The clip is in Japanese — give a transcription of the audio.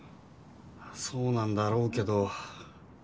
まあそうなんだろうけど。